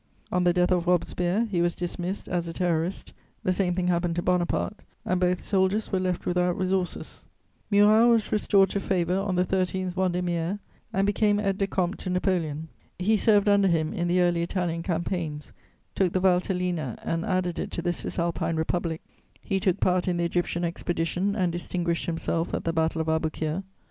On the death of Robespierre, he was dismissed as a Terrorist; the same thing happened to Bonaparte, and both soldiers were left without resources. Murat was restored to favour on the 13 Vendémiaire, and became aide de camp to Napoleon. He served under him in the early Italian campaigns, took the Valtellina and added it to the Cisalpine Republic; he took part in the Egyptian Expedition and distinguished himself at the Battle of Abukir.